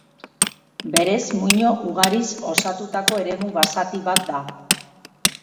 Berez muino ugariz osatutako eremu basati bat da.